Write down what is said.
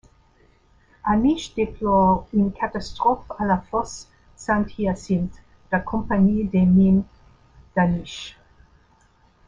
Aniche déplore une catastrophe à la Fosse Saint-Hyacinthe de la Compagnie des mines d'Aniche.